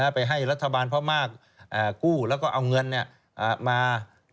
ไปให้รัฐบาลพม่ากู้แล้วก็เอาเงินมา